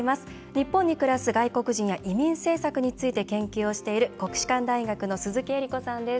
日本に暮らす外国人や移民政策について研究をしている国士舘大学の鈴木江理子さんです。